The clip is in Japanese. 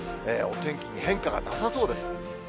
お天気に変化がなさそうです。